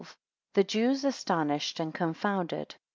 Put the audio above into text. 1 The Jews astonished and confounded.